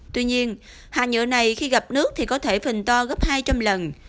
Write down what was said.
tuy nhiên hạt nhựa này khi gặp nước thì có thể phình to gấp hai trăm linh lần